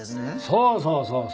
そうそうそうそう。